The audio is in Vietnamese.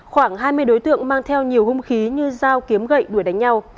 khoảng hai mươi đối tượng mang theo nhiều hung khí như dao kiếm gậy đuổi đánh nhau